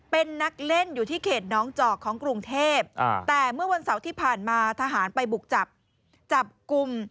เป็นนักเล่นอยู่ที่เขตน้องจอกของกรุงเทพแต่เมื่อวันเสาร์ที่ผ่านมาทหารไปบุกจับจับกลุ่ม